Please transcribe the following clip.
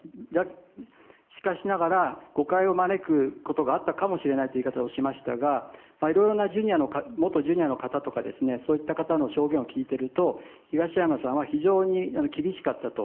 しかしながら誤解を招くことがあったかもしれないという言い方をしましたがいろいろな元Ｊｒ．の方とかそういった方の証言を聞いていると東山さんは非常に厳しかったと。